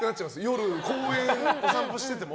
夜公園を散歩してても。